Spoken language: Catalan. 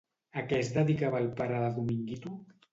A què es dedicava el pare de Dominguito?